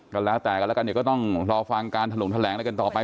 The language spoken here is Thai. ก็แล้วแต่กันแล้วกันเดี๋ยวก็ต้องรอฟังการถลงแถลงอะไรกันต่อไป